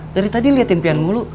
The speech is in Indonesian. dari tadi liatin pian mulu